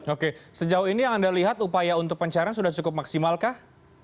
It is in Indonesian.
oke sejauh ini yang anda lihat upaya untuk pencairan sudah cukup maksimal kah